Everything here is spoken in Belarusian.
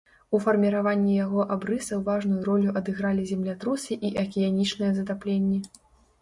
У фарміраванні яго абрысаў важную ролю адыгралі землятрусы і акіянічныя затапленні.